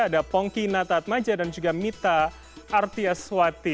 ada pongky natatmaja dan juga mita artyaswati